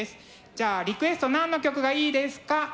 じゃあリクエスト何の曲がいいですか？